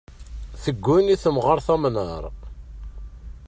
Tegguni temɣart amnar.